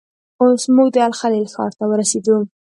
اوس موږ د الخلیل ښار ته ورسېدو.